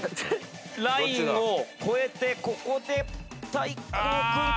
ラインを越えてここで大光君。